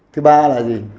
thứ ba là gì